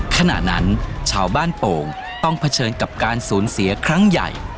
ขณะนั้นชาวบ้านโป่งต้องเผชิญกับการสูญเสียครั้งใหญ่